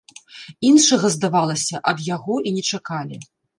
Іншага, здавалася, ад яго і не чакалі.